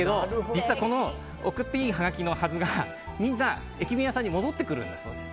実はこの送っていいはがきのはずがみんな駅弁屋さんに戻ってくるんです。